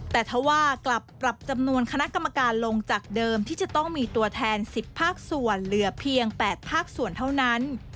แต่ถ้าว่ากลับปรับจำนวนคณะกรรมการลงจากเดิมที่จะต้องมีตัวแทน๑๐ภาคส่วนเหลือเพียง๘ภาคส่วนเท่านั้น